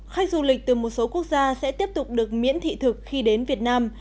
khách du lịch từ một số quốc gia sẽ tiếp tục được miễn thị thực khi đến việt nam